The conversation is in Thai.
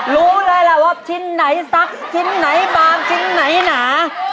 รู้เลยล่ะว่าชิ้นไหนซักชิ้นไหนบางชิ้นไหนหนา